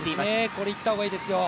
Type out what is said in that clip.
これいった方がいいですよ。